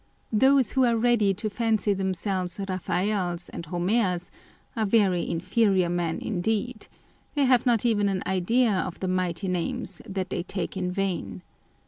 Those who are ready to fancy themselves Raphaels and Homers are very inferior men indeed â€" they have not even an idea of the mighty names that " they take in vain."